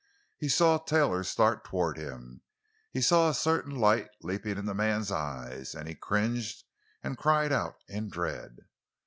He saw Taylor start toward him; he saw a certain light leaping in the man's eyes, and he cringed and cried out in dread.